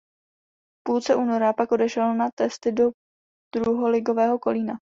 V půlce února pak odešel na testy do druholigového Kolína.